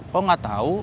kok gak tau